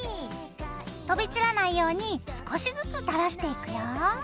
飛び散らないように少しずつ垂らしていくよ。